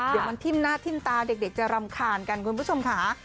เดี๋ยวมันทิ้มหน้าทิ้มตาเด็กจะรำคาญกันคุณผู้ชมค่ะ